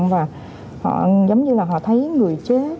và giống như là họ thấy người chết